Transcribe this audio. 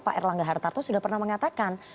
pak erlangga hartarto sudah pernah mengatakan